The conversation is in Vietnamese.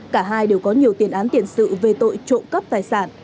cả hai đều có nhiều tiền án tiền sự về tội trộm cắp tài sản